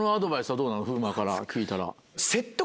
風磨から聞いたら。